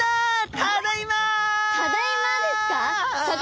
ただいまですか？